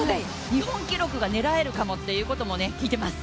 日本記録が狙えるかもっていうことも聞いています。